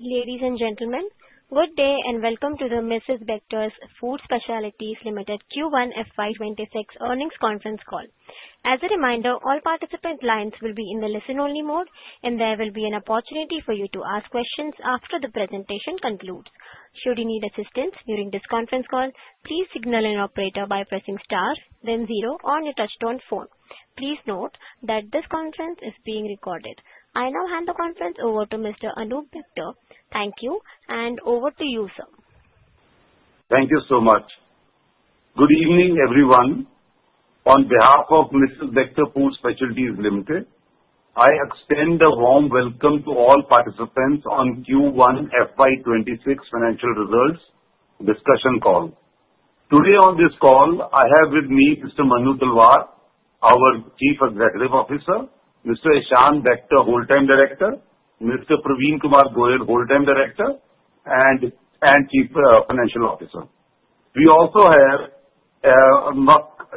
Ladies and gentlemen, good day and welcome to the Mrs Bectors Food Specialities Limited Q1 FY26 earnings conference call. As a reminder, all participant lines will be in the listen-only mode, and there will be an opportunity for you to ask questions after the presentation concludes. Should you need assistance during this conference call, please signal an operator by pressing star, then zero, or a touch-tone phone. Please note that this conference is being recorded. I now hand the conference over to Mr. Anup Bector. Thank you, and over to you, sir. Thank you so much. Good evening, everyone. On behalf of Mrs Bectors Food Specialities Limited, I extend a warm welcome to all participants on Q1 FY26 financial results discussion call. Today on this call, I have with me Mr. Manu Talwar, our Chief Executive Officer, Mr. Ishan Bector, Whole Time Director, Mr. Praveen Kumar Goel, Whole Time Director and Chief Financial Officer. We also have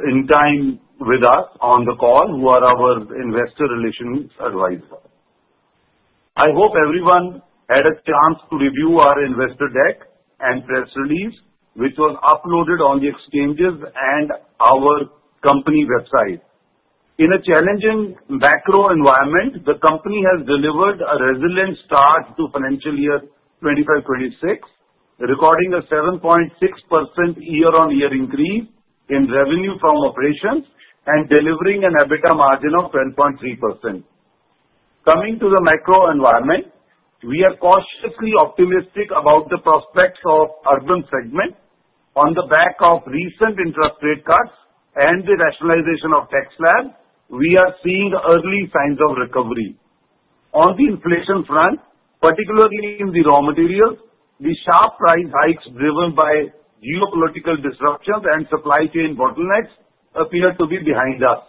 Link Intime with us on the call, who are our investor relations advisors. I hope everyone had a chance to review our investor deck and press release, which was uploaded on the exchanges and our company website. In a challenging macro environment, the company has delivered a resilient start to financial year 2025-26, recording a 7.6% year-on-year increase in revenue from operations and delivering an EBITDA margin of 12.3%. Coming to the macro environment, we are cautiously optimistic about the prospects of the urban segment. On the back of recent interest rate cuts and the rationalization of tax plan, we are seeing early signs of recovery. On the inflation front, particularly in the raw materials, the sharp price hikes driven by geopolitical disruptions and supply chain bottlenecks appear to be behind us.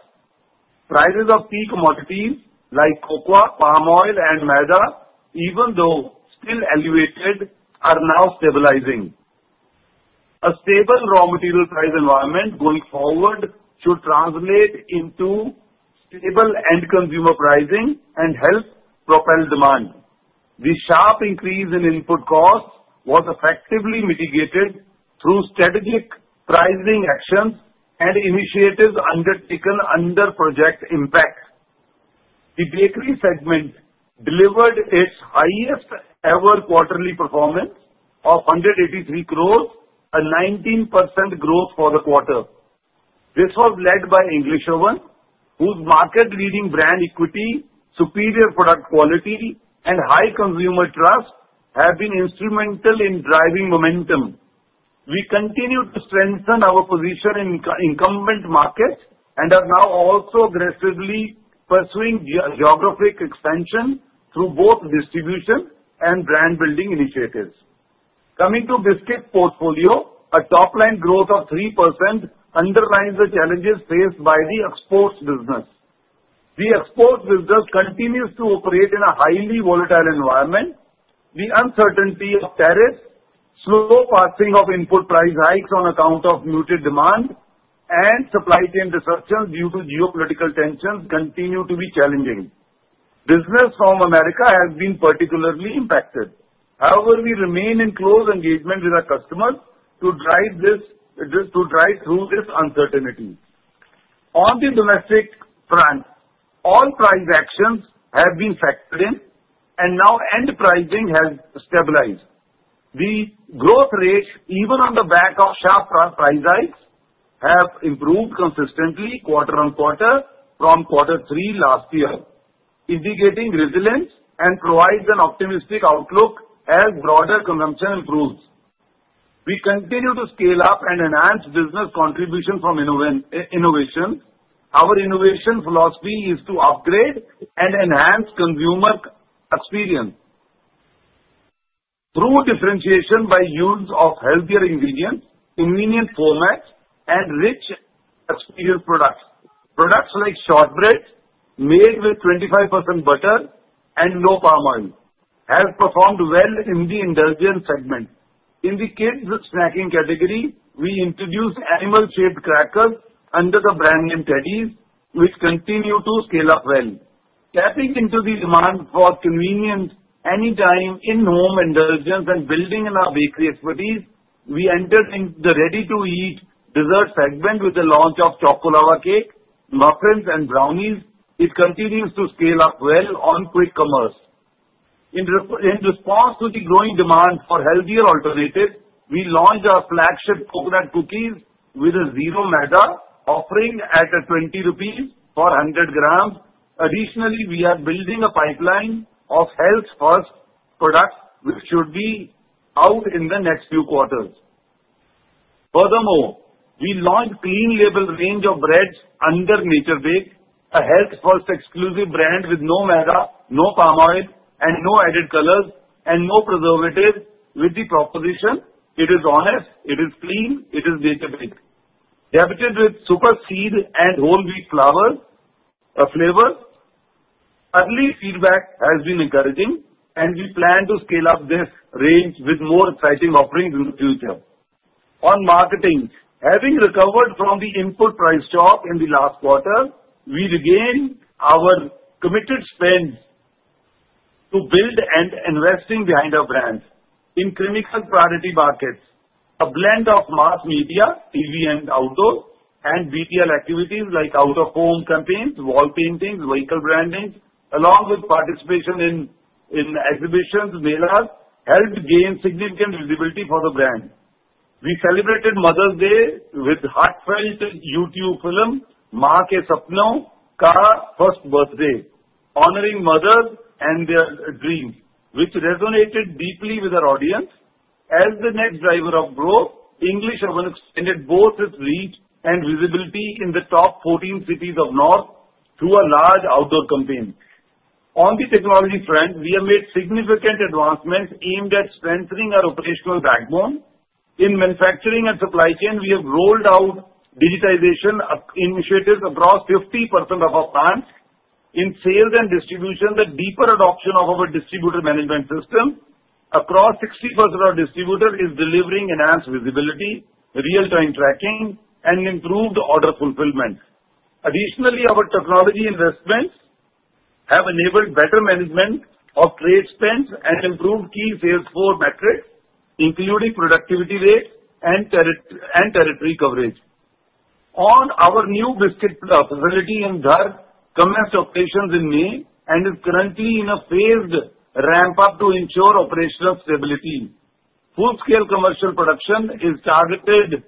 Prices of key commodities like cocoa, palm oil, and maida, even though still elevated, are now stabilizing. A stable raw material price environment going forward should translate into stable end-consumer pricing and help propel demand. The sharp increase in input costs was effectively mitigated through strategic pricing actions and initiatives undertaken under Project Impact. The bakery segment delivered its highest-ever quarterly performance of 183 crores, a 19% growth for the quarter. This was led by English Oven, whose market-leading brand equity, superior product quality, and high consumer trust have been instrumental in driving momentum. We continue to strengthen our position in incumbent markets and are now also aggressively pursuing geographic expansion through both distribution and brand-building initiatives. Coming to biscuit portfolio, a top-line growth of 3% underlines the challenges faced by the exports business. The exports business continues to operate in a highly volatile environment. The uncertainty of tariffs, slow passing of input price hikes on account of muted demand, and supply chain disruptions due to geopolitical tensions continue to be challenging. Business from America has been particularly impacted. However, we remain in close engagement with our customers to drive through this uncertainty. On the domestic front, all price actions have been factored in, and now end pricing has stabilized. The growth rates, even on the back of sharp price hikes, have improved consistently quarter on quarter from quarter three last year, indicating resilience and provide an optimistic outlook as broader consumption improves. We continue to scale up and enhance business contributions from innovation. Our innovation philosophy is to upgrade and enhance consumer experience through differentiation by use of healthier ingredients, convenient formats, and rich exterior products. Products like shortbread made with 25% butter and no palm oil have performed well in the indulgence segment. In the kids' snacking category, we introduced animal-shaped crackers under the brand name Teddies, which continue to scale up well. Tapping into the demand for convenient anytime in-home indulgence and building in our bakery expertise, we entered into the ready-to-eat dessert segment with the launch of chocolate cake, muffins, and brownies. It continues to scale up well on quick commerce. In response to the growing demand for healthier alternatives, we launched our flagship coconut cookies with a zero maida offering at 20 rupees for 100 grams. Additionally, we are building a pipeline of health-first products, which should be out in the next few quarters. Furthermore, we launched Clean Label range of breads under Nature Bake, a health-first exclusive brand with no maida, no palm oil, and no added colors, and no preservatives with the proposition, "It is honest, it is clean, it is Nature Baked." Dubbed with super seed and whole wheat flour flavors, early feedback has been encouraging, and we plan to scale up this range with more exciting offerings in the future. On marketing, having recovered from the input price shock in the last quarter, we regained our committed spend to build and investing behind our brands in critical priority markets. A blend of mass media, TV, and outdoor, and BTL activities like out-of-home campaigns, wall paintings, vehicle branding, along with participation in exhibitions, mailers, helped gain significant visibility for the brand. We celebrated Mother's Day with heartfelt YouTube film, "Maa Ke Sapno," Ka first birthday, honoring mothers and their dreams, which resonated deeply with our audience. As the next driver of growth, English Oven extended both its reach and visibility in the top 14 cities of North through a large outdoor campaign. On the technology front, we have made significant advancements aimed at strengthening our operational backbone. In manufacturing and supply chain, we have rolled out digitization initiatives across 50% of our plants. In sales and distribution, the deeper adoption of our distributor management system across 60% of our distributors is delivering enhanced visibility, real-time tracking, and improved order fulfillment. Additionally, our technology investments have enabled better management of trade spends and improved key sales force metrics, including productivity rate and territory coverage. On our new biscuit facility in Dhar, commenced operations in May and is currently in a phased ramp-up to ensure operational stability. Full-scale commercial production is targeted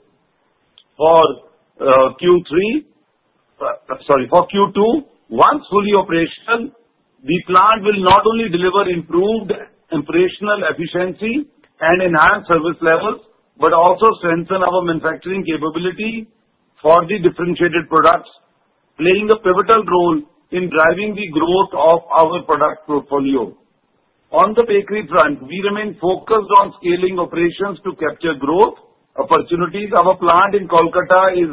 for Q2. Once fully operational, the plant will not only deliver improved operational efficiency and enhanced service levels but also strengthen our manufacturing capability for the differentiated products, playing a pivotal role in driving the growth of our product portfolio. On the bakery front, we remain focused on scaling operations to capture growth opportunities. Our plant in Kolkata is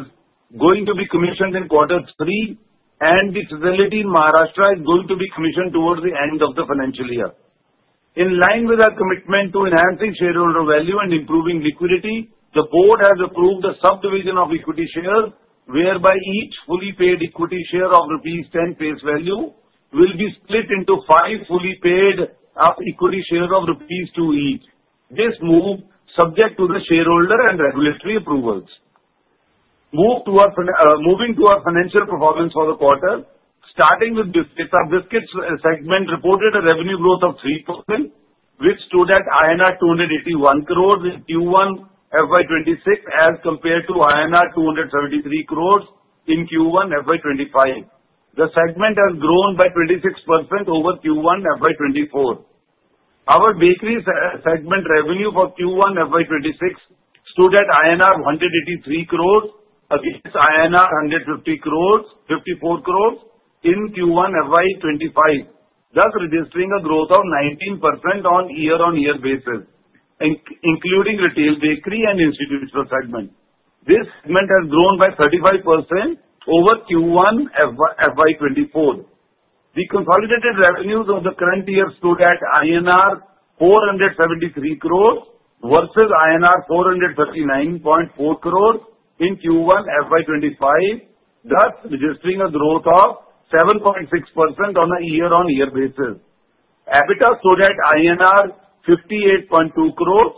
going to be commissioned in quarter three, and the facility in Maharashtra is going to be commissioned towards the end of the financial year. In line with our commitment to enhancing shareholder value and improving liquidity, the board has approved a subdivision of equity shares, whereby each fully paid equity share of ₹10 face value will be split into five fully paid equity shares of ₹2 each. This move is subject to the shareholder and regulatory approvals. Moving to our financial performance for the quarter, starting with biscuits, our biscuit segment reported a revenue growth of 3%, which stood at INR 281 crores in Q1 FY26 as compared to INR 273 crores in Q1 FY25. The segment has grown by 26% over Q1 FY24. Our bakery segment revenue for Q1 FY26 stood at INR 183 crores against INR 154 crores in Q1 FY25, thus registering a growth of 19% on year-on-year basis, including retail bakery and institutional segment. This segment has grown by 35% over Q1 FY24. The consolidated revenues of the current year stood at INR 473 crores versus INR 439.4 crores in Q1 FY25, thus registering a growth of 7.6% on a year-on-year basis. EBITDA stood at INR 58.2 crores,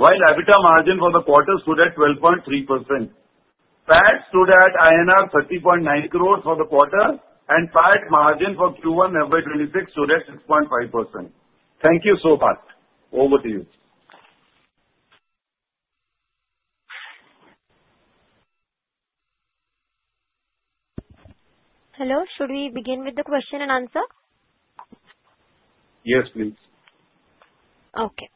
while EBITDA margin for the quarter stood at 12.3%. PAT stood at INR 30.9 crores for the quarter, and PAT margin for Q1 FY26 stood at 6.5%. Thank you so much. Over to you. Hello. Should we begin with the question and answer? Yes, please. Okay.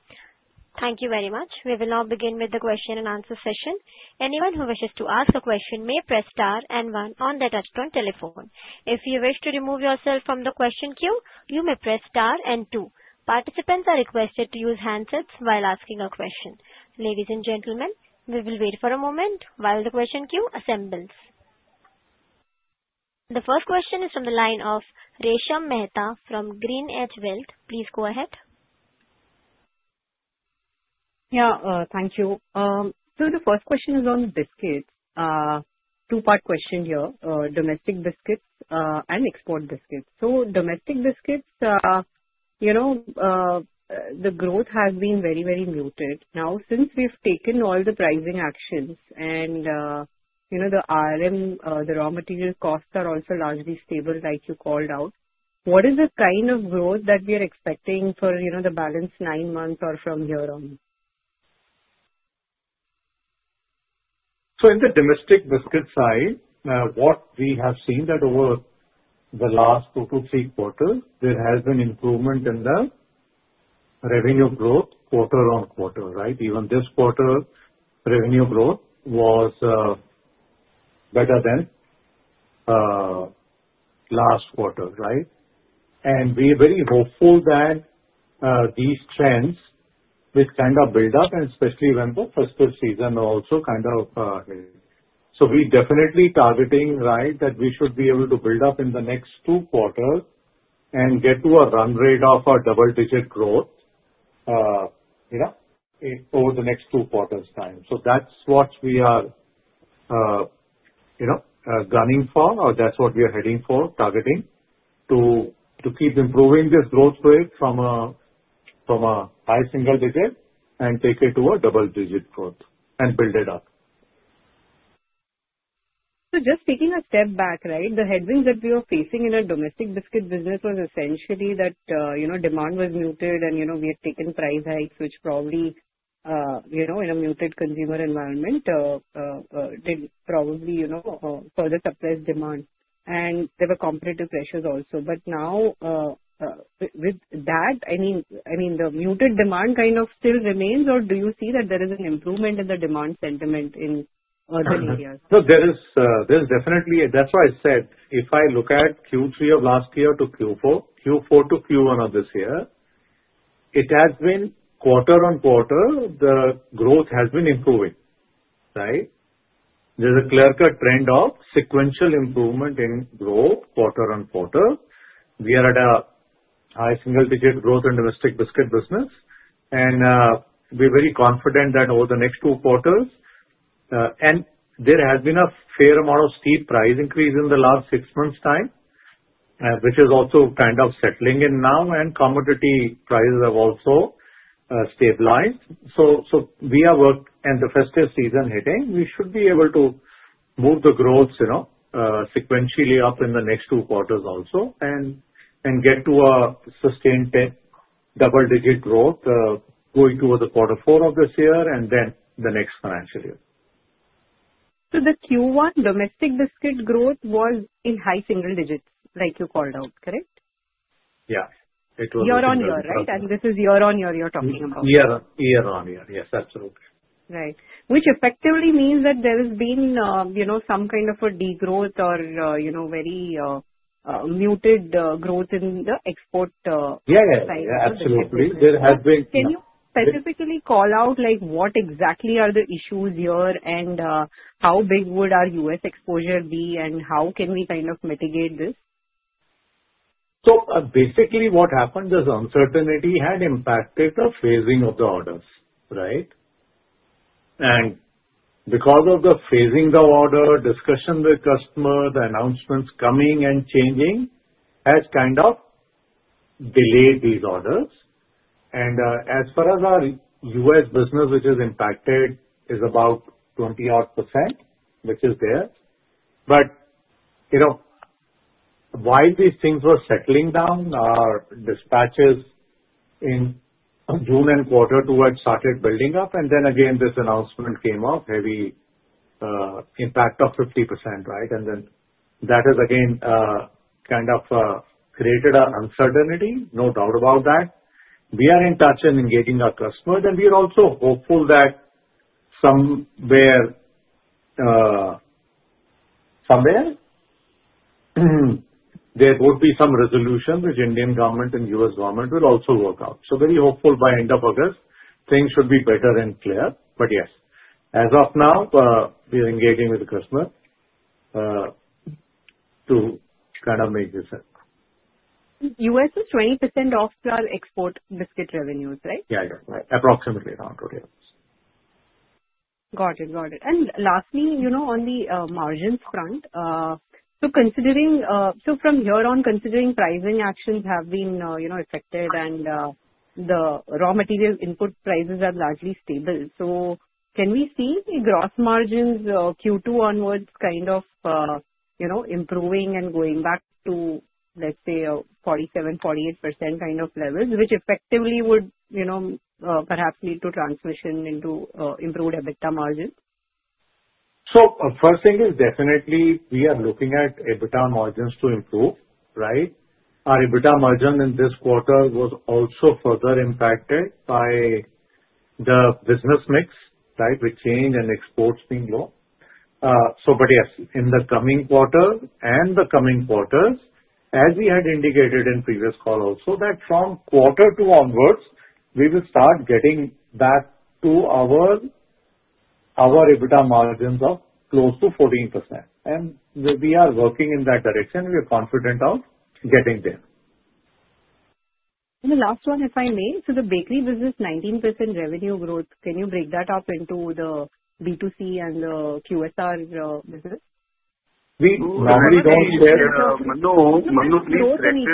Thank you very much. We will now begin with the question and answer session. Anyone who wishes to ask a question may press star and one on the touch-tone telephone. If you wish to remove yourself from the question queue, you may press star and two. Participants are requested to use handsets while asking a question. Ladies and gentlemen, we will wait for a moment while the question queue assembles. The first question is from the line of Resha Mehta from GreenEdge Wealth. Please go ahead. Yeah. Thank you. So the first question is on biscuits. Two-part question here. Domestic biscuits and export biscuits. So domestic biscuits, the growth has been very, very muted. Now, since we've taken all the pricing actions and the RM, the raw material costs are also largely stable, like you called out, what is the kind of growth that we are expecting for the balance nine months or from here on? In the domestic biscuit side, what we have seen that over the last two to three quarters, there has been improvement in the revenue growth quarter on quarter, right? Even this quarter, revenue growth was better than last quarter, right? We are very hopeful that these trends will kind of build up, and especially when the festive season also kind of hit. We definitely are targeting, right, that we should be able to build up in the next two quarters and get to a run rate of a double-digit growth over the next two quarters' time. That's what we are gunning for, or that's what we are heading for, targeting to keep improving this growth rate from a high single digit and take it to a double-digit growth and build it up. So just taking a step back, right, the headwinds that we were facing in our domestic biscuit business was essentially that demand was muted, and we had taken price hikes, which probably, in a muted consumer environment, did probably further suppress demand. And there were competitive pressures also. But now, with that, I mean, the muted demand kind of still remains, or do you see that there is an improvement in the demand sentiment in other areas? So there is definitely, that's why I said, if I look at Q3 of last year to Q4, Q4 to Q1 of this year, it has been quarter on quarter, the growth has been improving, right? There's a clear-cut trend of sequential improvement in growth quarter on quarter. We are at a high single-digit growth in domestic biscuit business, and we're very confident that over the next two quarters, and there has been a fair amount of steep price increase in the last six months' time, which is also kind of settling in now, and commodity prices have also stabilized. So we have worked, and the festive season hitting, we should be able to move the growth sequentially up in the next two quarters also and get to a sustained double-digit growth going towards the quarter four of this year and then the next financial year. So the Q1 domestic biscuit growth was in high single digits, like you called out, correct? Yeah. It was. Year-on-year, right? And this is year-on-year you're talking about. Year-on-year. Yes, absolutely. Right. Which effectively means that there has been some kind of a degrowth or very muted growth in the export side. Yeah, yeah, absolutely. There has been. Can you specifically call out what exactly are the issues here and how big would our U.S. exposure be, and how can we kind of mitigate this? So basically, what happened is uncertainty had impacted the phasing of the orders, right? And because of the phasing of order, discussion with customers, the announcements coming and changing has kind of delayed these orders. And as far as our U.S. business, which is impacted, is about 20-odd%, which is there. But while these things were settling down, our dispatches in June and quarter two had started building up, and then again, this announcement came of heavy impact of 50%, right? And then that has again kind of created uncertainty. No doubt about that. We are in touch and engaging our customers, and we are also hopeful that somewhere there would be some resolution, which Indian government and U.S. government will also work out. So very hopeful by end of August, things should be better and clear. But yes, as of now, we are engaging with the customer to kind of make this happen. U.S. is 20% of our export biscuit revenues, right? Yeah, yeah, right. Approximately around 20%. Got it. Got it. And lastly, on the margins front, so from here on, considering pricing actions have been affected and the raw material input prices are largely stable, so can we see gross margins Q2 onwards kind of improving and going back to, let's say, 47%-48% kind of levels, which effectively would perhaps lead to transmission into improved EBITDA margins? So first thing is definitely we are looking at EBITDA margins to improve, right? Our EBITDA margin in this quarter was also further impacted by the business mix, right, with change and exports being low. But yes, in the coming quarter and the coming quarters, as we had indicated in previous call also, that from quarter two onwards, we will start getting back to our EBITDA margins of close to 14%. And we are working in that direction. We are confident of getting there. And the last one, if I may, so the bakery business, 19% revenue growth. Can you break that up into the B2C and the QSR business? We normally don't share. Oh, sorry.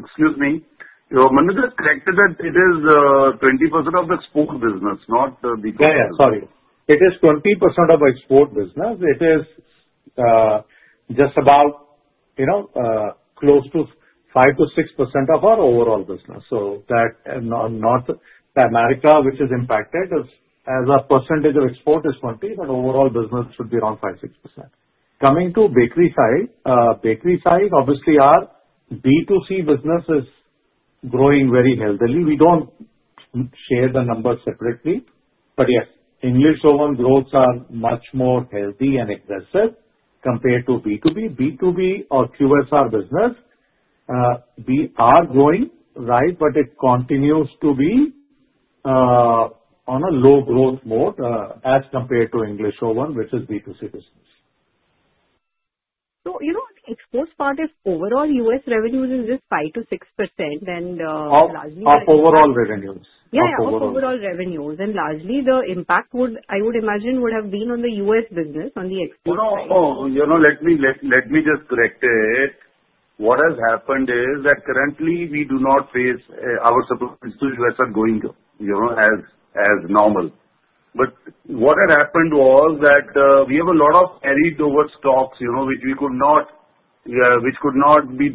Excuse me. Manu just corrected that it is 20% of the export business, not the B2C. Yeah, yeah. Sorry. It is 20% of export business. It is just about close to 5%-6% of our overall business. So not America, which is impacted as a percentage of export is 20%, but overall business should be around 5-6%. Coming to bakery side, obviously, our B2C business is growing very healthily. We don't share the numbers separately. But yes, English Oven growths are much more healthy and aggressive compared to B2B. B2B or QSR business, we are growing, right, but it continues to be on a low growth mode as compared to English Oven, which is B2C business. So the exports part of overall U.S. revenues is just 5%-6% and largely. Of overall revenues. Yeah, of overall revenues. And largely, the impact, I would imagine, would have been on the U.S. business, on the export side. Let me just correct it. What has happened is that currently, we do not face our supply to U.S. are going as normal. But what had happened was that we have a lot of carried over stocks, which we could not. Which could not be. It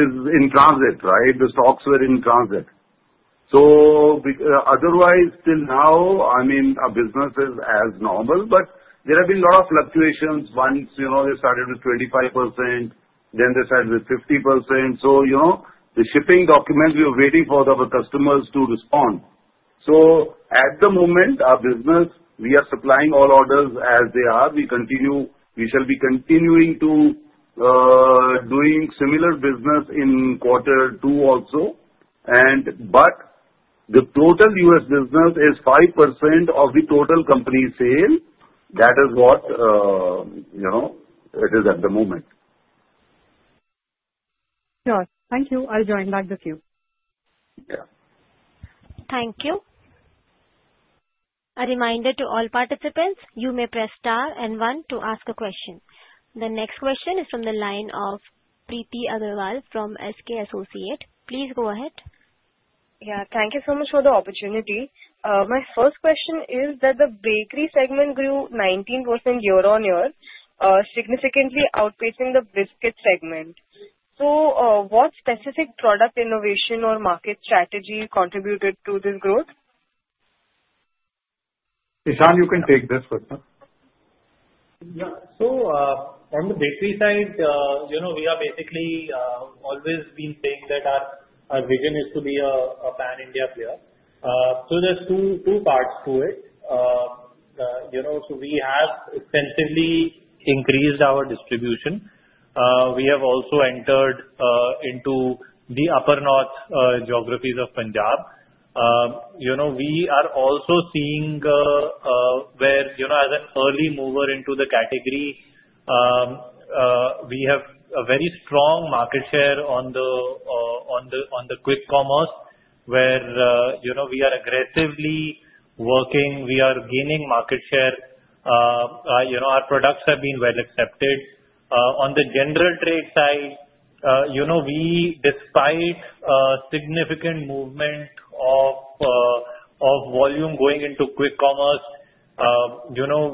is in transit, right? The stocks were in transit. So otherwise, till now, I mean, our business is as normal, but there have been a lot of fluctuations. Once they started with 25%, then they started with 50%. So the shipping documents, we were waiting for our customers to respond. So at the moment, our business, we are supplying all orders as they are. We shall be continuing to do similar business in quarter two also. But the total U.S. business is 5% of the total company sale. That is what it is at the moment. Sure. Thank you. I'll join back the queue. Thank you. A reminder to all participants, you may press star and one to ask a question. The next question is from the line of Priti Agarwal from SK Associates. Please go ahead. Yeah. Thank you so much for the opportunity. My first question is that the bakery segment grew 19% year-on-year, significantly outpacing the biscuit segment. So what specific product innovation or market strategy contributed to this growth? Ishan, you can take this question. Yeah. So on the bakery side, we have basically always been saying that our vision is to be a pan-India player. So there's two parts to it. So we have extensively increased our distribution. We have also entered into the upper north geographies of Punjab. We are also seeing where, as an early mover into the category, we have a very strong market share on the quick commerce where we are aggressively working. We are gaining market share. Our products have been well accepted. On the general trade side, despite significant movement of volume going into quick commerce,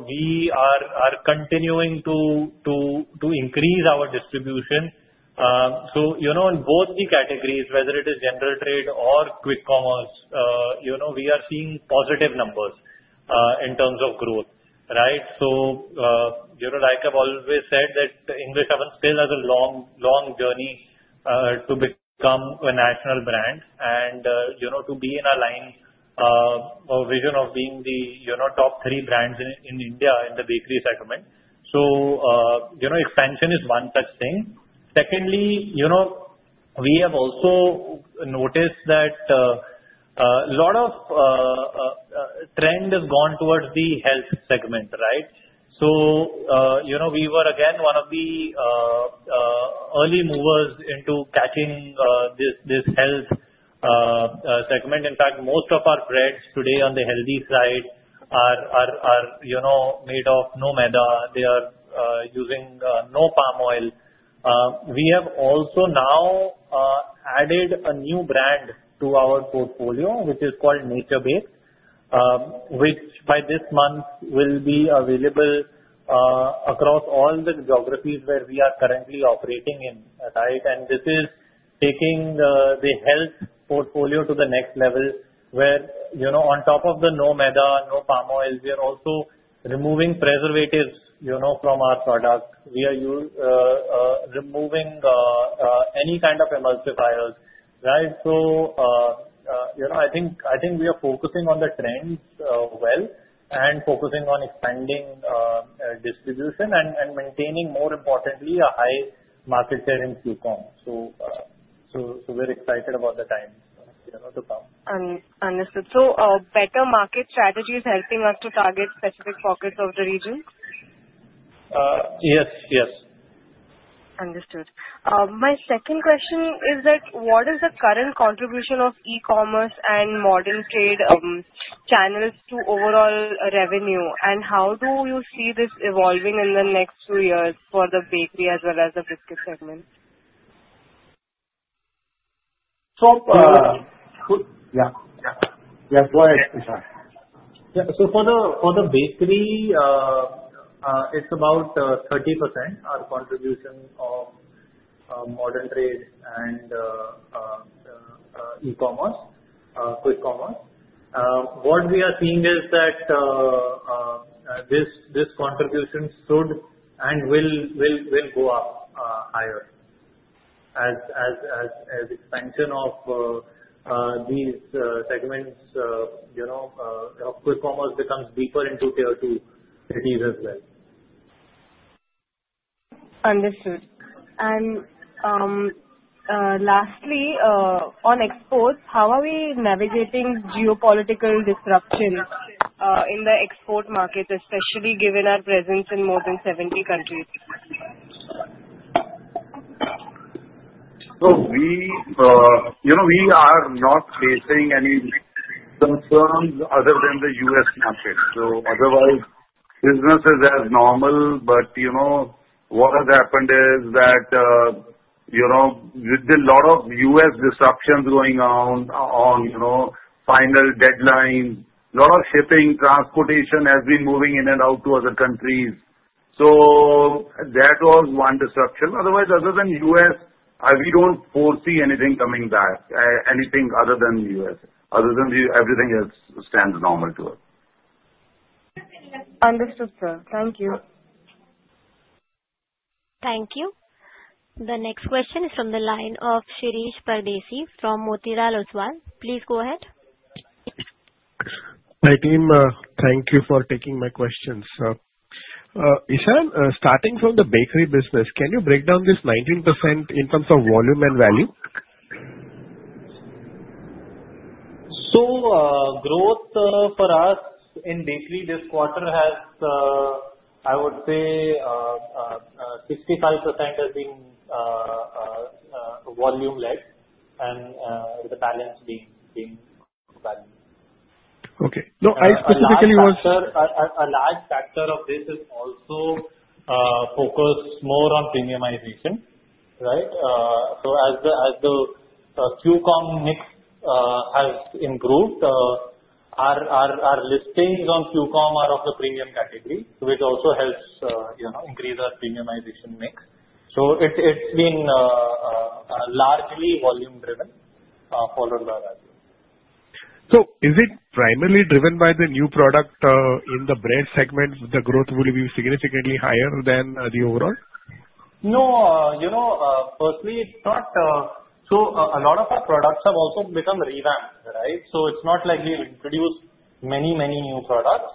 we are continuing to increase our distribution. So in both the categories, whether it is general trade or quick commerce, we are seeing positive numbers in terms of growth, right? So like I've always said, that English Oven still has a long journey to become a national brand and to be in our line or vision of being the top three brands in India in the bakery segment. So expansion is one such thing. Secondly, we have also noticed that a lot of trend has gone towards the health segment, right? So we were, again, one of the early movers into catching this health segment. In fact, most of our breads today on the healthy side are made of no maida. They are using no palm oil. We have also now added a new brand to our portfolio, which is called Nature Bake, which by this month will be available across all the geographies where we are currently operating in, right? This is taking the health portfolio to the next level where, on top of the no maida, no palm oil, we are also removing preservatives from our products. We are removing any kind of emulsifiers, right? I think we are focusing on the trends well and focusing on expanding distribution and maintaining, more importantly, a high market share in QCOM. We're excited about the time to come. Understood. So better market strategy is helping us to target specific pockets of the region? Yes, yes. Understood. My second question is that what is the current contribution of e-commerce and modern trade channels to overall revenue, and how do you see this evolving in the next few years for the bakery as well as the biscuit segment? So yeah. Yeah, go ahead, Ishan. Yeah, so for the bakery, it's about 30% our contribution of modern trade and e-commerce, quick commerce. What we are seeing is that this contribution should and will go up higher as expansion of these segments. Quick commerce becomes deeper into tier two cities as well. Understood. And lastly, on exports, how are we navigating geopolitical disruptions in the export market, especially given our presence in more than 70 countries? So we are not facing any big concerns other than the U.S. market. So otherwise, business is as normal. But what has happened is that with a lot of U.S. disruptions going on, final deadlines, a lot of shipping, transportation has been moving in and out to other countries. So that was one disruption. Otherwise, other than U.S., we don't foresee anything coming back, anything other than U.S. Other than everything else stands normal to us. Understood, sir. Thank you. Thank you. The next question is from the line of Shirish Pardeshi from Motilal Oswal. Please go ahead. Hi, team, thank you for taking my questions. Ishan, starting from the bakery business, can you break down this 19% in terms of volume and value? So growth for us in bakery this quarter has, I would say, 65% has been volume-led and the balance being value. Okay. No, I specifically was sir, a large factor of this is also focused more on premiumization, right? So as the Q-Commerce mix has improved, our listings on Q-Commerce are of the premium category, which also helps increase our premiumization mix. So it's been largely volume-driven for a longer period. So is it primarily driven by the new product in the bread segment, the growth will be significantly higher than the overall? No. Firstly, it's not so a lot of our products have also become revamped, right? So it's not like we've introduced many, many new products.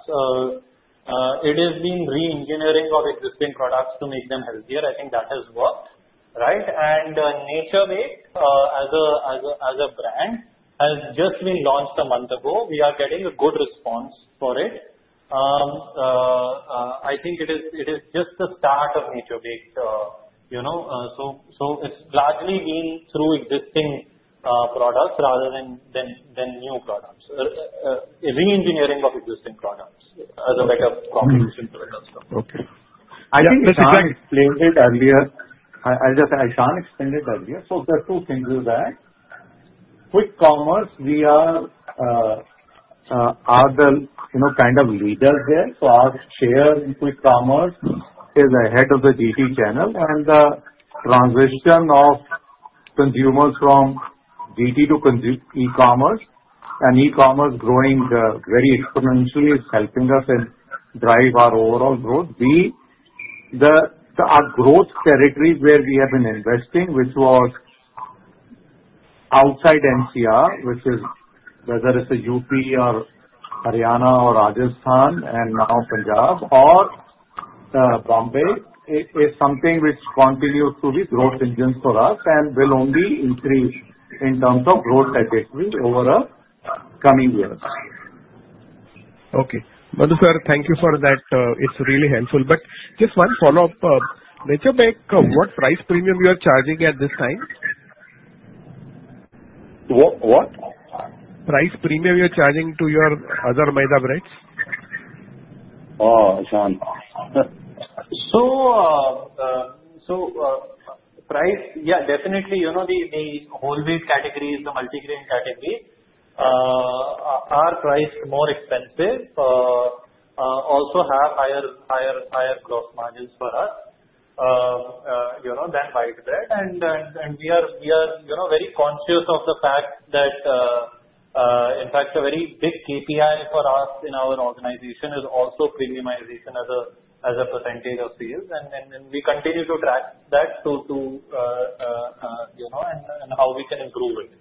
It has been re-engineering of existing products to make them healthier. I think that has worked, right? And Nature Bake, as a brand, has just been launched a month ago. We are getting a good response for it. I think it is just the start of Nature Bake. So it's largely been through existing products rather than new products, re-engineering of existing products as a better contribution to the customer. Okay. I think. I think Ishan explained it earlier. I just said Ishan explained it earlier. So the two things is that quick commerce, we are the kind of leaders there. So our share in quick commerce is ahead of the GT channel. And the transition of consumers from GT to e-commerce and e-commerce growing very exponentially is helping us and drives our overall growth. Our growth territory where we have been investing, which was outside MCR, which is whether it's a UP or Haryana or Rajasthan and now Punjab or Bombay, is something which continues to be growth engines for us and will only increase in terms of growth trajectory over the coming years. Okay. Manu sir, thank you for that. It's really helpful. But just one follow-up. Nature Bake, what price premium you are charging at this time? What? Price premium you are charging to your other maida breads? Oh, Ishan. So yeah, definitely, the whole wheat category, the multigrain category, are priced more expensive, also have higher gross margins for us than white bread. And we are very conscious of the fact that, in fact, a very big KPI for us in our organization is also premiumization as a percentage of sales. And we continue to track that too and how we can improve it.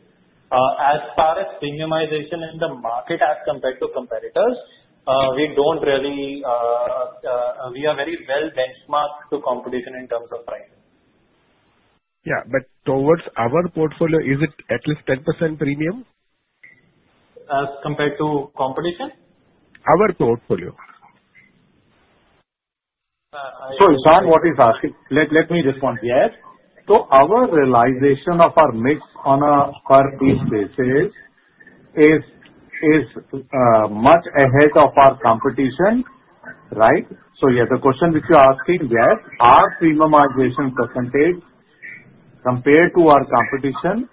As far as premiumization in the market as compared to competitors, we don't really, we are very well benchmarked to competition in terms of price. Yeah. But towards our portfolio, is it at least 10% premium? As compared to competition? Our portfolio. So Ishan, what he's asking, let me respond. Yes. So our realization of our mix on a per-piece basis is much ahead of our competition, right? So yeah, the question which you're asking, yes, our premiumization percentage compared to our competition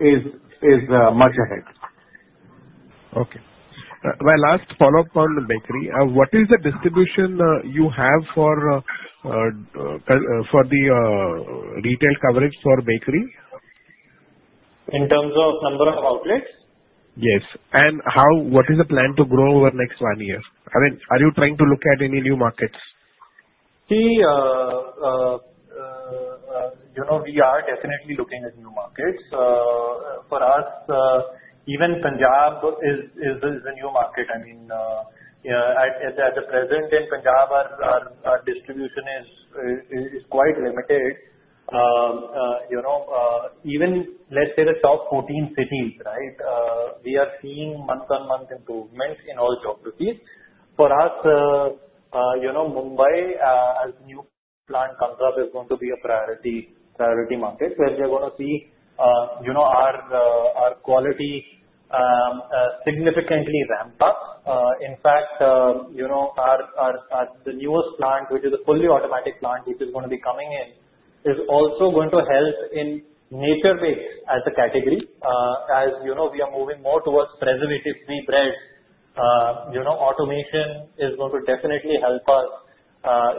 is much ahead. Okay. My last follow-up on the bakery. What is the distribution you have for the retail coverage for bakery? In terms of number of outlets? Yes, and what is the plan to grow over the next one year? I mean, are you trying to look at any new markets? See, we are definitely looking at new markets. For us, even Punjab is a new market. I mean, at the present in Punjab, our distribution is quite limited. Even let's say the top 14 cities, right, we are seeing month-on-month improvement in all geographies. For us, Mumbai as a new plant comes up is going to be a priority market where we are going to see our quality significantly ramp up. In fact, the newest plant, which is a fully automatic plant, which is going to be coming in, is also going to help in Nature Bake as a category. As we are moving more towards preservative-free breads, automation is going to definitely help us.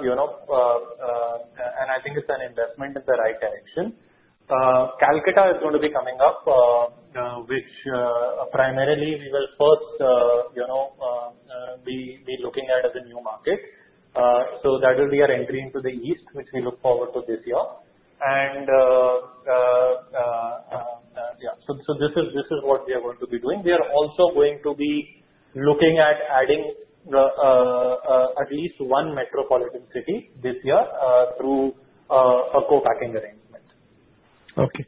And I think it's an investment in the right direction. Kolkata is going to be coming up, which primarily we will first be looking at as a new market. So that will be our entry into the east, which we look forward to this year. And yeah, so this is what we are going to be doing. We are also going to be looking at adding at least one metropolitan city this year through a co-packing arrangement. Okay.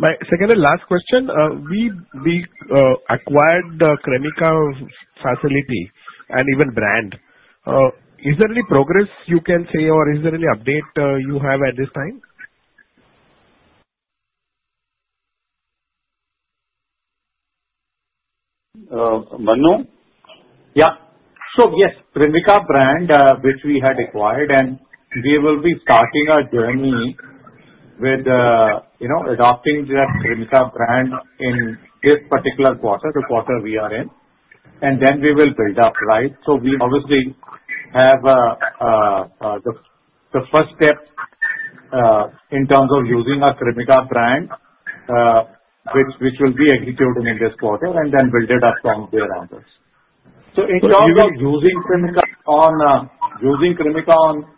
My second and last question. We acquired the Cremica facility and even brand. Is there any progress you can say, or is there any update you have at this time? Manu? Yeah. So yes, Cremica brand, which we had acquired, and we will be starting our journey with adopting that Cremica brand in this particular quarter, the quarter we are in, and then we will build up, right? So we obviously have the first step in terms of using our Cremica brand, which will be executed in this quarter, and then build it up from there onwards. So in terms of using Cremica on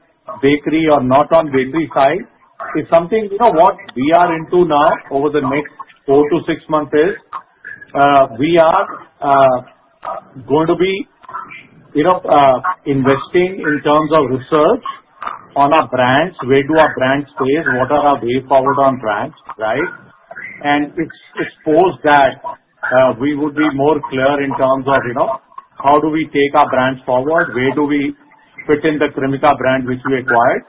bakery or not on bakery side, it's something what we are into now over the next four to six months is we are going to be investing in terms of research on our brands, where do our brands fit, what are our ways forward on brands, right? And it's supposed that we would be more clear in terms of how do we take our brands forward, where do we fit in the Cremica brand which we acquired.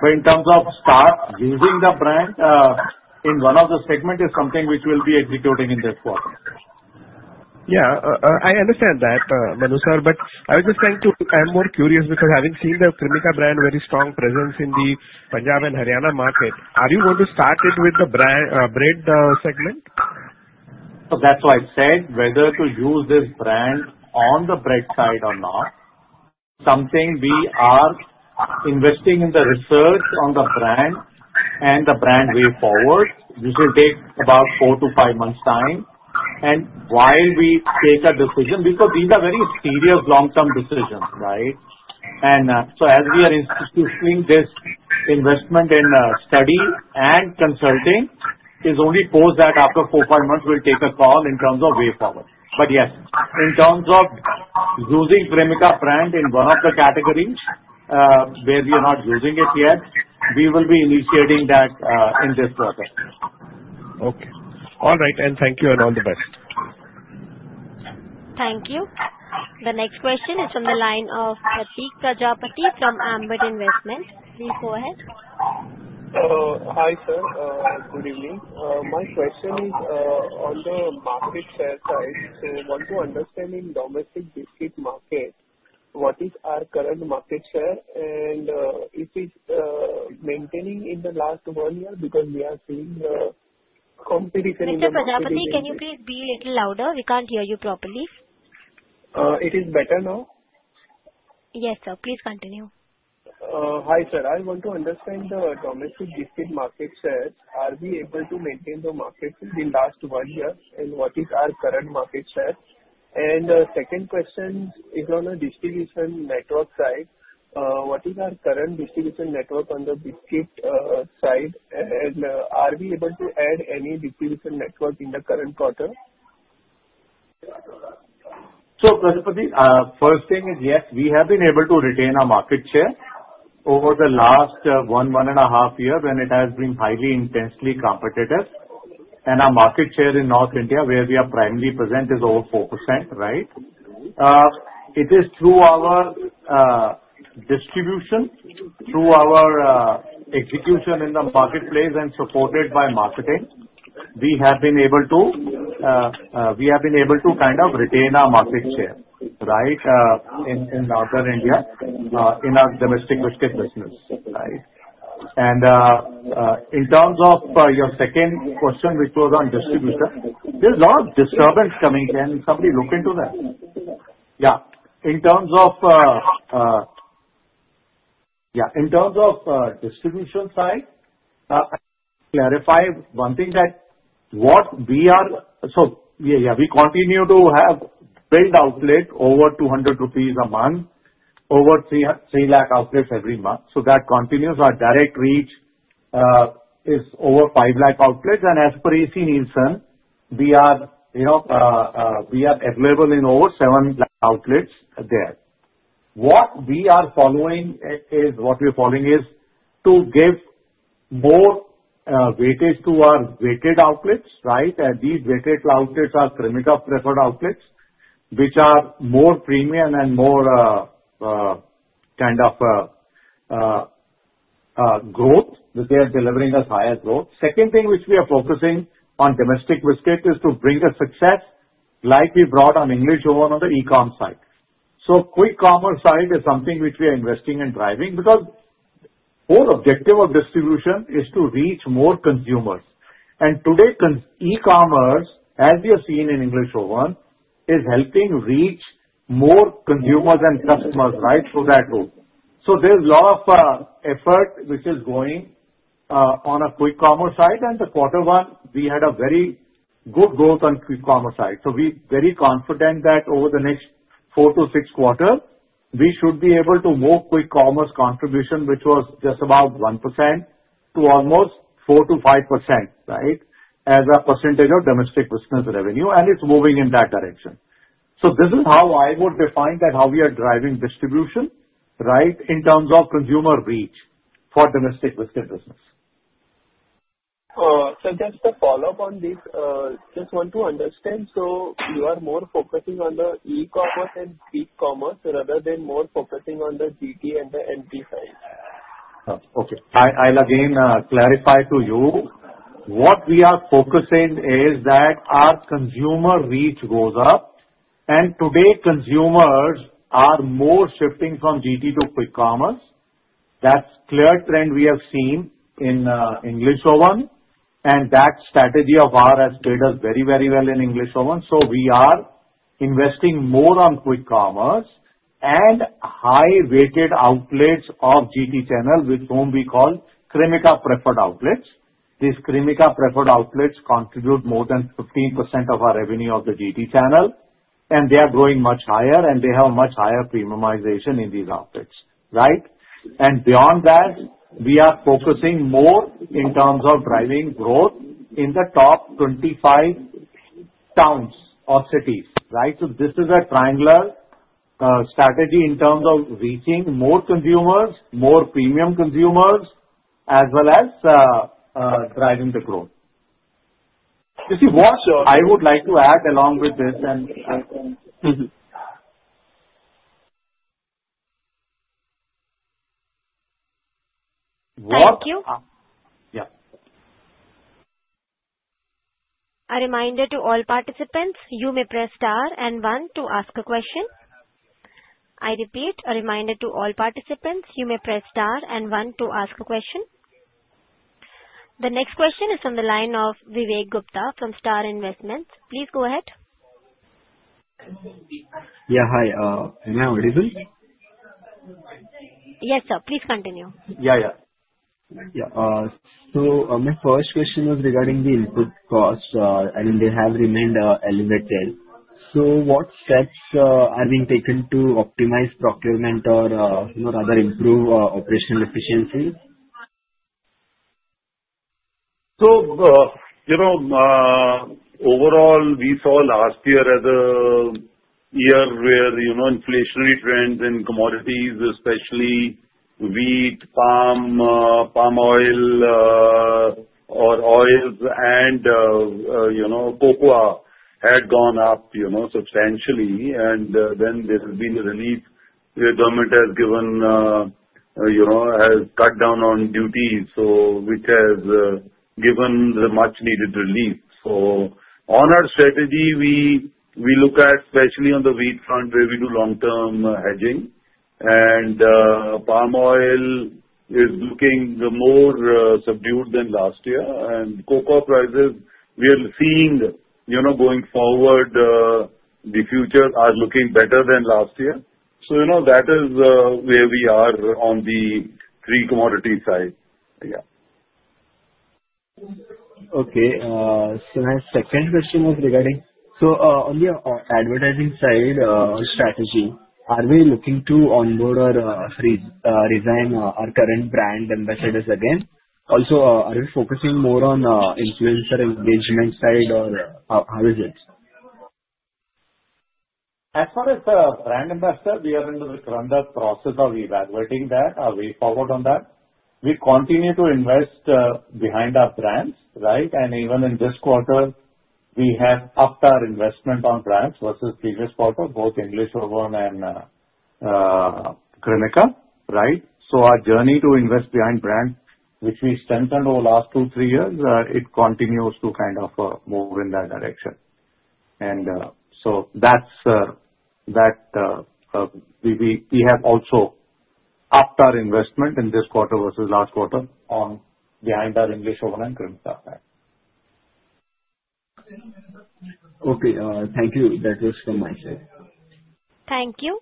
But in terms of start using the brand in one of the segments is something which we'll be executing in this quarter. Yeah. I understand that, Manu sir, but I was just trying to, I'm more curious because having seen the Cremica brand, very strong presence in the Punjab and Haryana market, are you going to start it with the bread segment? So that's why I said whether to use this brand on the bread side or not, something we are investing in the research on the brand and the brand way forward, which will take about four to five months' time. And while we take a decision, because these are very serious long-term decisions, right? And so as we are institutionally this investment in study and consulting is only post that after four, five months, we'll take a call in terms of way forward. But yes, in terms of using Cremica brand in one of the categories where we are not using it yet, we will be initiating that in this quarter. Okay. All right. And thank you and all the best. Thank you. The next question is from the line of Pratik Prajapati from Ambit Capital. Please go ahead. Hi, sir. Good evening. My question is on the market share side. So, as you understand the domestic biscuit market, what is our current market share? And is it maintaining in the last one year because we are seeing the competition in the market? Mr. Prajapati, can you please be a little louder? We can't hear you properly. It is better now? Yes, sir. Please continue. Hi, sir. I want to understand the domestic biscuit market shares. Are we able to maintain the market in the last one year? And what is our current market share? And the second question is on the distribution network side. What is our current distribution network on the biscuit side? And are we able to add any distribution network in the current quarter? So Pratik Prajapati, first thing is yes, we have been able to retain our market share over the last one, one and a half years when it has been highly intensely competitive. And our market share in North India where we are primarily present is over 4%, right? It is through our distribution, through our execution in the marketplace and supported by marketing. We have been able to kind of retain our market share, right, in Northern India, in our domestic biscuit business, right? And in terms of your second question, which was on distribution, there's a lot of disturbance coming in. Somebody look into that. Yeah. In terms of yeah, in terms of distribution side, I clarify one thing that what we are so yeah, we continue to have build outlet over 200 rupees a month, over 3 lakh outlets every month. So that continues. Our direct reach is over 5 lakh outlets. And as per AC Nielsen, we are available in over 7 lakh outlets there. What we are following is to give more weightage to our weighted outlets, right? And these weighted outlets are Cremica Preferred Outlets, which are more premium and more kind of growth, which they are delivering us higher growth. Second thing which we are focusing on domestic biscuit is to bring a success like we brought on English Oven on the e-com side. So quick commerce side is something which we are investing and driving because the whole objective of distribution is to reach more consumers. And today, e-commerce, as we have seen in English Oven, is helping reach more consumers and customers, right, through that route. So there's a lot of effort which is going on a quick commerce side. The quarter one, we had a very good growth on quick commerce side. We're very confident that over the next four to six quarters, we should be able to move quick commerce contribution, which was just about 1% to almost 4%-5%, right, as a percentage of domestic business revenue. It's moving in that direction. This is how I would define that, how we are driving distribution, right, in terms of consumer reach for domestic biscuit business. So just to follow up on this, just want to understand. So you are more focusing on the e-commerce and quick commerce rather than more focusing on the GT and the MT side? Okay. I'll again clarify to you. What we are focusing is that our consumer reach goes up. And today, consumers are more shifting from GT to quick commerce. That's a clear trend we have seen in English Oven. And that strategy of ours has played us very, very well in English Oven. So we are investing more on quick commerce and high-weighted outlets of GT channel, which we call Cremica Preferred Outlets. These Cremica Preferred Outlets contribute more than 15% of our revenue of the GT channel. And they are growing much higher, and they have much higher premiumization in these outlets, right? And beyond that, we are focusing more in terms of driving growth in the top 25 towns or cities, right? So this is a triangular strategy in terms of reaching more consumers, more premium consumers, as well as driving the growth. You see, what I would like to add along with this and. Thank you. Yeah. A reminder to all participants, you may press star and one to ask a question. I repeat, a reminder to all participants, you may press star and one to ask a question. The next question is from the line of Vivek Gupta from Star Investments. Please go ahead. Yeah. Hi. Am I audible? Yes, sir. Please continue. So my first question was regarding the input cost, and they have remained elevated. So what steps are being taken to optimize procurement or rather improve operational efficiency? So overall, we saw last year as a year where inflationary trends in commodities, especially wheat, palm oil, or oils and cocoa had gone up substantially. And then there has been a relief where government has cut down on duties, which has given the much-needed relief. So on our strategy, we look at especially on the wheat front where we do long-term hedging. And palm oil is looking more subdued than last year. And cocoa prices, we are seeing going forward, the futures are looking better than last year. So that is where we are on the three commodity side. Yeah. Okay. So my second question is regarding on the advertising side strategy, are we looking to onboard or re-sign our current brand ambassadors again? Also, are we focusing more on influencer engagement side, or how is it? As far as the brand ambassador, we are in the process of evaluating that, our way forward on that. We continue to invest behind our brands, right? Even in this quarter, we have upped our investment on brands versus previous quarter, both English Oven and Cremica, right? Our journey to invest behind brands, which we strengthened over the last two, three years, it continues to kind of move in that direction. That we have also upped our investment in this quarter versus last quarter behind our English Oven and Cremica. Okay. Thank you. That was from my side. Thank you.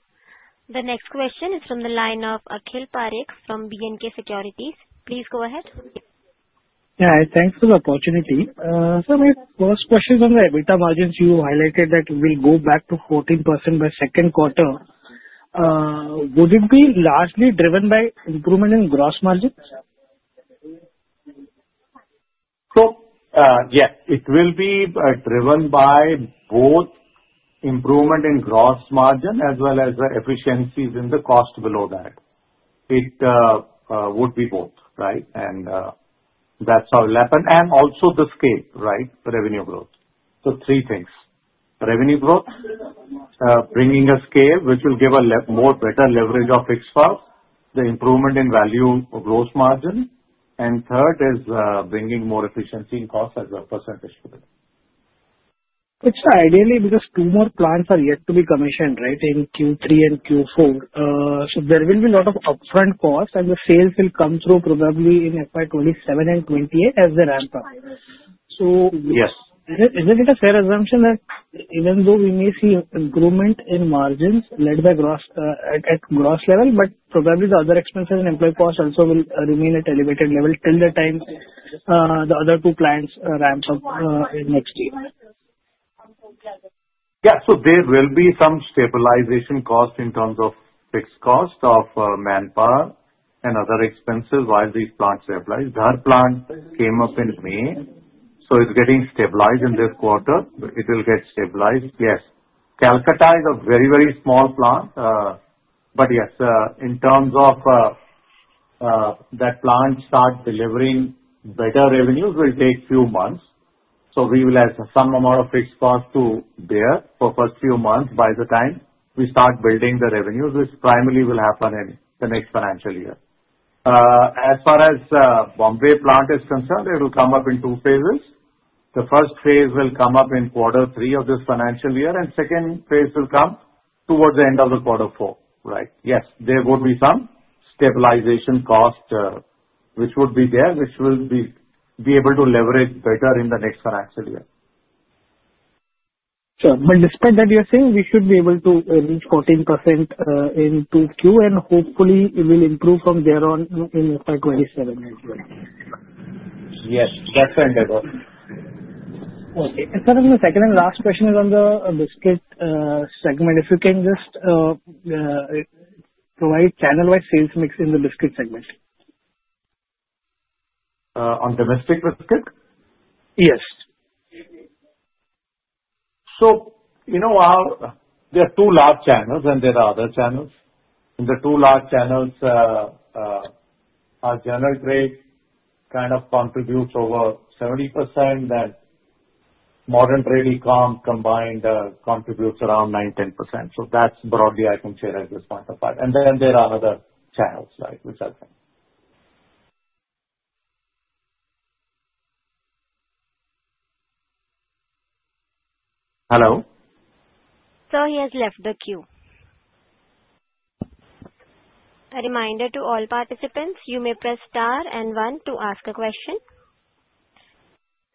The next question is from the line of Akhil Parekh from B&K Securities. Please go ahead. Yeah. Thanks for the opportunity. So my first question is on the EBITDA margins. You highlighted that we'll go back to 14% by second quarter. Would it be largely driven by improvement in gross margins? So yes, it will be driven by both improvement in gross margin as well as the efficiencies in the cost below that. It would be both, right? And that's how it will happen. And also the scale, right, revenue growth. So three things. Revenue growth, bringing a scale which will give a more better leverage of fixed costs, the improvement in value of gross margin. And third is bringing more efficiency in cost as a percentage to it. It's ideally because two more plants are yet to be commissioned, right, in Q3 and Q4. So there will be a lot of upfront costs, and the sales will come through probably in FY 27 and 28 as they ramp up. So isn't it a fair assumption that even though we may see improvement in margins led by gross at gross level, but probably the other expenses and employee costs also will remain at elevated level till the time the other two plants ramp up next year? Yeah. So there will be some stabilization cost in terms of fixed cost of manpower and other expenses while these plants stabilize. Dhar plant came up in May, so it's getting stabilized in this quarter. It will get stabilized. Yes. Kolkata is a very, very small plant. But yes, in terms of that plant start delivering better revenues, it will take a few months. So we will have some amount of fixed cost to bear for the first few months by the time we start building the revenues, which primarily will happen in the next financial year. As far as Mumbai plant is concerned, it will come up in two phases. The first phase will come up in quarter three of this financial year, and second phase will come towards the end of the quarter four, right? Yes. There would be some stabilization cost which would be there, which will be able to leverage better in the next financial year. Sure. But despite that, you're saying we should be able to reach 14% in Q2, and hopefully, it will improve from there on in FY 2027 as well. Yes. That's what I'm talking about. Okay. And sir, the second and last question is on the biscuit segment. If you can just provide channel-wise sales mix in the biscuit segment. On domestic biscuit? Yes. So there are two large channels, and there are other channels. In the two large channels, our general trade kind of contributes over 70%, then modern trade e-com combined contributes around 9-10%. So that's broadly I can share at this point of time. And then there are other channels, right, which are there. Hello? So he has left the queue. A reminder to all participants, you may press star and one to ask a question.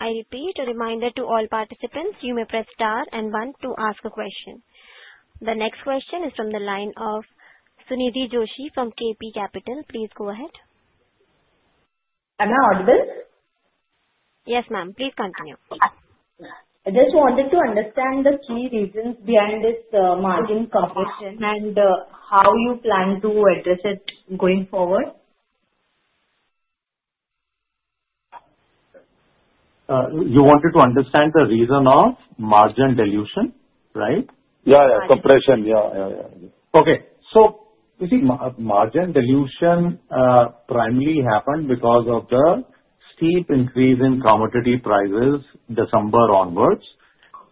I repeat, a reminder to all participants, you may press star and one to ask a question. The next question is from the line of Sunidhi Joshi from KP Capital. Please go ahead. Am I audible? Yes, ma'am. Please continue. I just wanted to understand the key reasons behind this margin compression and how you plan to address it going forward? You wanted to understand the reason of margin dilution, right? Yeah, yeah. Compression. Yeah, yeah, yeah. Okay. So you see, margin dilution primarily happened because of the steep increase in commodity prices December onwards.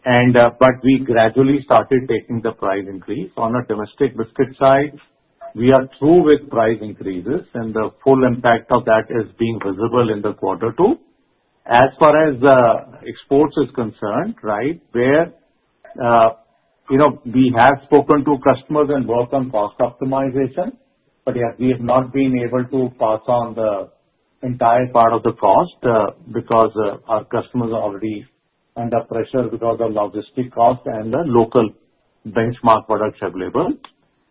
But we gradually started taking the price increase. On the domestic biscuit side, we are through with price increases, and the full impact of that is being visible in the quarter two. As far as exports is concerned, right, where we have spoken to customers and worked on cost optimization, but yet we have not been able to pass on the entire part of the cost because our customers already under pressure because of logistic costs and the local benchmark products available.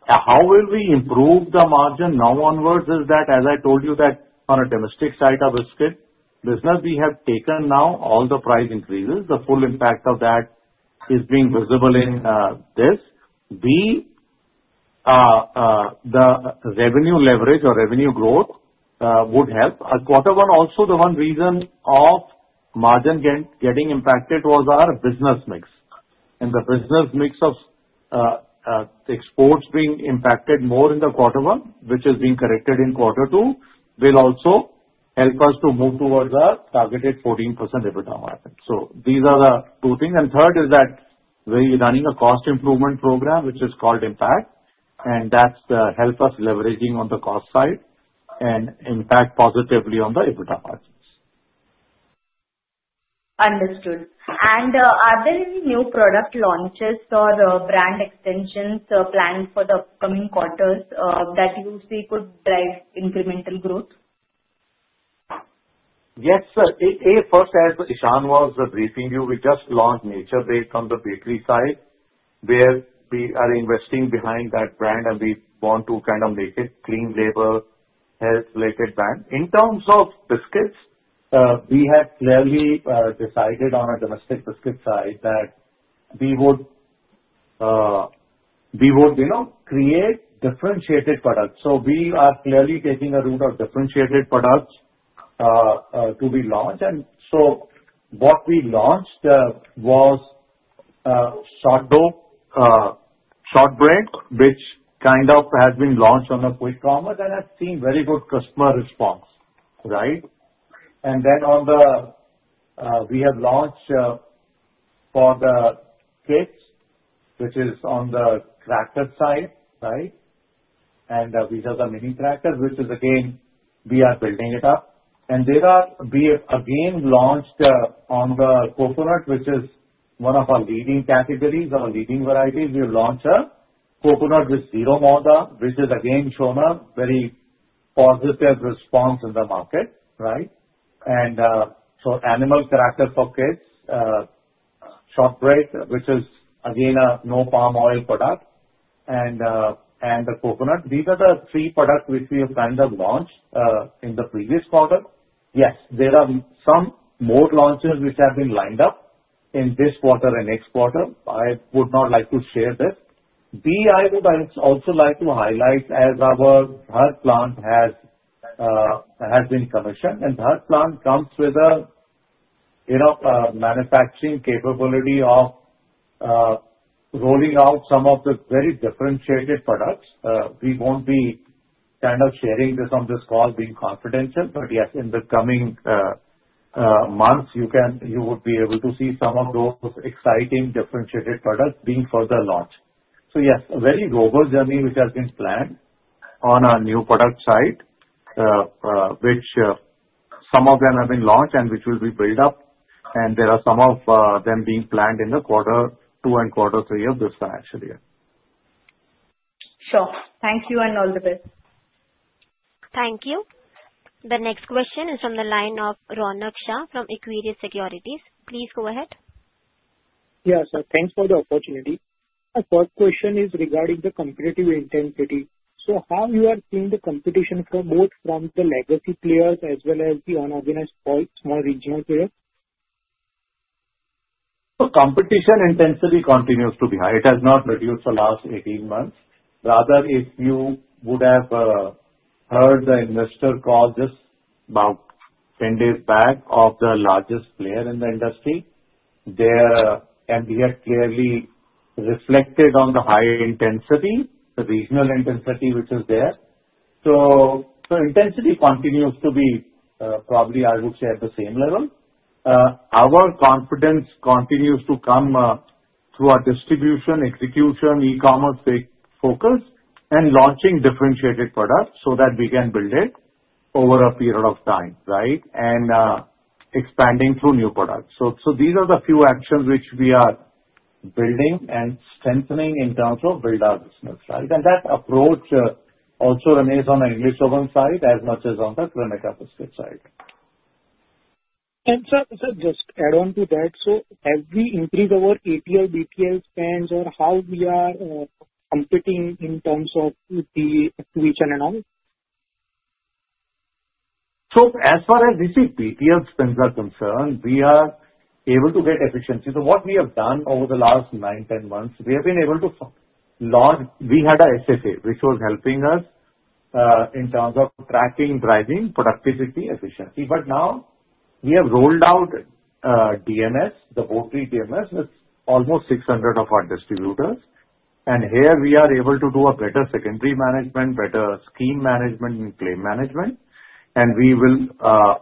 How will we improve the margin now onwards? Is that, as I told you, that on a domestic side of biscuit business, we have taken now all the price increases. The full impact of that is being visible in this. The revenue leverage or revenue growth would help. Quarter one, also the one reason of margin getting impacted was our business mix, and the business mix of exports being impacted more in the quarter one, which is being corrected in quarter two, will also help us to move towards a targeted 14% EBITDA margin, so these are the two things, and third is that we're running a cost improvement program, which is called IMPACT, and that's helped us leveraging on the cost side and impact positively on the EBITDA margins. Understood. And are there any new product launches or brand extensions planned for the upcoming quarters that you see could drive incremental growth? Yes. First, as Ishan was briefing you, we just launched Nature Bake on the bakery side, where we are investing behind that brand, and we want to kind of make it Clean Label, health-related brand. In terms of biscuits, we have clearly decided on a domestic biscuit side that we would create differentiated products. So we are clearly taking a route of differentiated products to be launched. And so what we launched was short dough shortbread, which kind of has been launched on the quick commerce and has seen very good customer response, right? And then we have launched for the kids, which is on the cracker side, right? And we have the mini crackers, which is again, we are building it up. And we have again launched on the coconut, which is one of our leading categories or leading varieties. We have launched a coconut with zero maida, which has again shown a very positive response in the market, right? And so animal cracker for kids, shortbread, which is again a no palm oil product, and the coconut. These are the three products which we have kind of launched in the previous quarter. Yes, there are some more launches which have been lined up in this quarter and next quarter. I would not like to share this. I would also like to highlight as our Dhar plant has been commissioned, and Dhar plant comes with a manufacturing capability of rolling out some of the very differentiated products. We won't be kind of sharing this on this call being confidential, but yes, in the coming months, you would be able to see some of those exciting differentiated products being further launched. So yes, a very robust journey which has been planned on our new product side, which some of them have been launched and which will be built up. And there are some of them being planned in the quarter two and quarter three of this financial year. Sure. Thank you and all the best. Thank you. The next question is from the line of Raunak Shah from Equirus Securities. Please go ahead. Yes, sir. Thanks for the opportunity. My first question is regarding the competitive intensity. So how you are seeing the competition both from the legacy players as well as the unorganized small regional players? The competition intensity continues to be high. It has not reduced the last 18 months. Rather, if you would have heard the investor call just about 10 days back of the largest player in the industry, their MDF clearly reflected on the high intensity, the regional intensity which is there. So intensity continues to be probably, I would say, at the same level. Our confidence continues to come through our distribution, execution, e-commerce focus, and launching differentiated products so that we can build it over a period of time, right? And expanding through new products. So these are the few actions which we are building and strengthening in terms of build our business, right? And that approach also remains on the English Oven side as much as on the Cremica biscuit side. And, sir, just add on to that. So as we increase our ATL, BTL spends or how we are competing in terms of to each other? So as far as we see BTL spends are concerned, we are able to get efficiency. So what we have done over the last nine, 10 months, we have been able to launch, we had an SFA, which was helping us in terms of tracking, driving productivity, efficiency. But now we have rolled out DMS, the robust DMS with almost 600 of our distributors. And here we are able to do a better secondary management, better scheme management, and claim management. And we will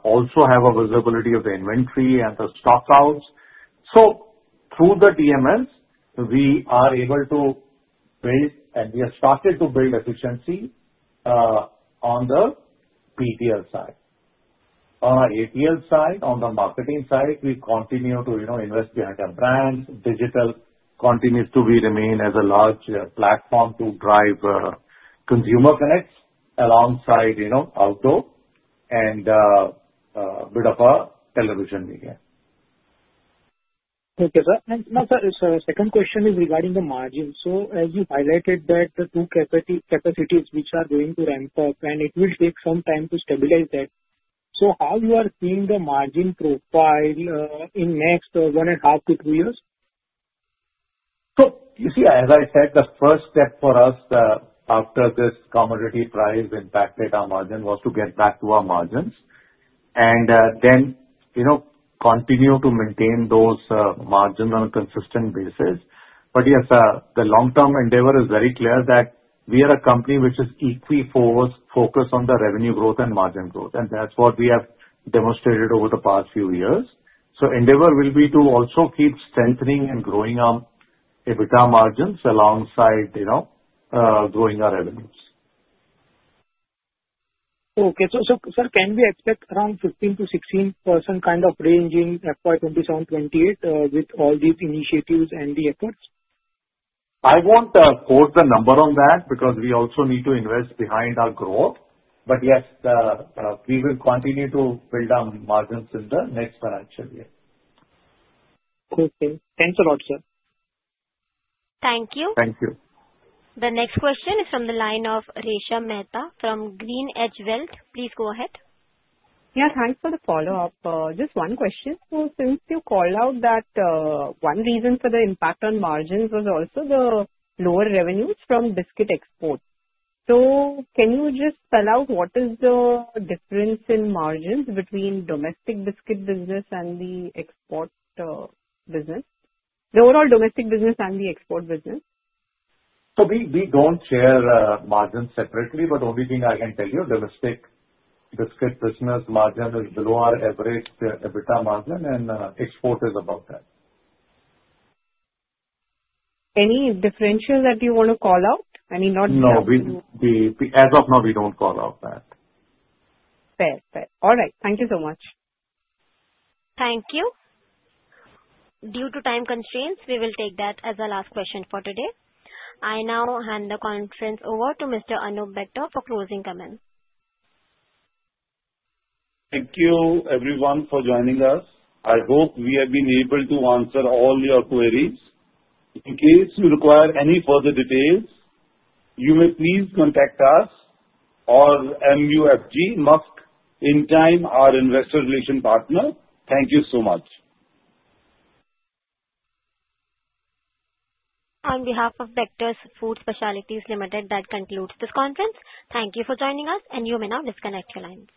also have a visibility of the inventory and the stockouts. So through the DMS, we are able to build, and we have started to build efficiency on the BTL side. On our ATL side, on the marketing side, we continue to invest behind our brands. Digital continues to remain as a large platform to drive consumer connects alongside outdoor and a bit of a television media. Okay, sir. And now, sir, the second question is regarding the margin. So as you highlighted that the two capacities which are going to ramp up, and it will take some time to stabilize that. So how you are seeing the margin profile in next one and a half to two years? So you see, as I said, the first step for us after this commodity price impacted our margin was to get back to our margins and then continue to maintain those margins on a consistent basis. But yes, the long-term endeavor is very clear that we are a company which is equally focused on the revenue growth and margin growth. And that's what we have demonstrated over the past few years. So endeavor will be to also keep strengthening and growing our EBITDA margins alongside growing our revenues. Okay, so sir, can we expect around 15%-16% kind of range in FY 2027, 2028 with all these initiatives and the efforts? I won't quote the number on that because we also need to invest behind our growth. But yes, we will continue to build our margins in the next financial year. Okay. Thanks a lot, sir. Thank you. Thank you. The next question is from the line of Resha Mehta from GreenEdge Wealth. Please go ahead. Yeah. Thanks for the follow-up. Just one question. So since you called out that one reason for the impact on margins was also the lower revenues from biscuit export. So can you just spell out what is the difference in margins between domestic biscuit business and the export business, the overall domestic business and the export business? So we don't share margins separately, but the only thing I can tell you, domestic biscuit business margin is below our average EBITDA margin, and export is about that. Any differential that you want to call out? I mean, not. No. As of now, we don't call out that. Fair. Fair. All right. Thank you so much. Thank you. Due to time constraints, we will take that as the last question for today. I now hand the conference over to Mr. Anup Bector for closing comments. Thank you, everyone, for joining us. I hope we have been able to answer all your queries. In case you require any further details, you may please contact us or MUFG, Link Intime, our investor relation partner. Thank you so much. On behalf of Mrs Bectors Food Specialities Limited, that concludes this conference. Thank you for joining us, and you may now disconnect your lines.